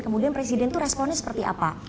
kemudian presiden itu responnya seperti apa